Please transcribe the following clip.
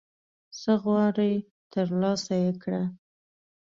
څه غواړي ترلاسه یې کړه